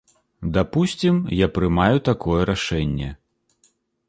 Дапусцім, я прымаю такое рашэнне.